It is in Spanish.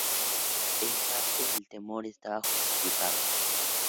En parte el temor estaba justificado.